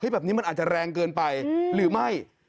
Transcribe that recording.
แบบนี้มันอาจจะแรงเกินไปหรือไม่